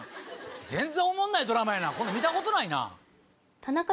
全然おもんないドラマやなこんなん見たことないな。